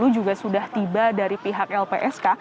juga sudah tiba dari pihak lpsk